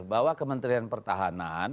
bahwa kementerian pertahanan